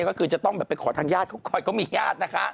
ก็คือจะต้องแบบไปขอทางญาติเขาคอยก็มีญาตินะคะ